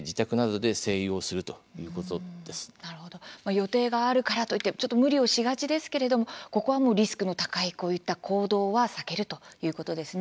予定があるからといってちょっと無理をしがちですけれども、ここはもうリスクの高いこういった行動は避けるということですね。